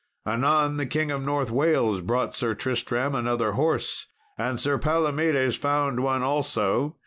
Anon the King of North Wales brought Sir Tristram another horse, and Sir Palomedes found one also.